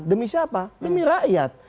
demi siapa demi rakyat